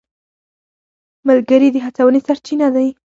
ملګري د هڅونې سرچینه دي.